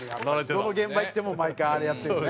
どの現場行っても毎回あれやってるのね。